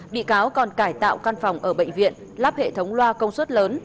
bị cáo còn cải tạo căn phòng ở bệnh viện lắp hệ thống loa công suất lớn